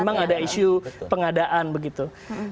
memang ada isu pengadaan begitu